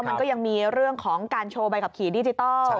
มันก็ยังมีเรื่องของการโชว์ใบขับขี่ดิจิทัล